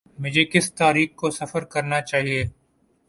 مجھے کس تاریخ کو سفر کرنا چاہیے۔